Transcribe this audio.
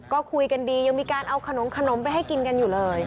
ก็คุยกันดียังมีการเอาขนมไปให้กินกันอยู่เลย